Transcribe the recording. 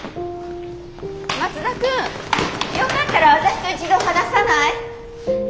松田君よかったら私と一度話さない？